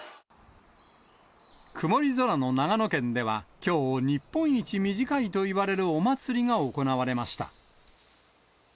曇り空の長野県では、きょう、日本一短いといわれるお祭りが行われました。